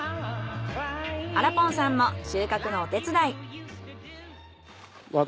あらぽんさんも収穫のお手伝い。